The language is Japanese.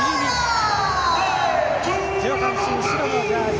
上半身、白のジャージ。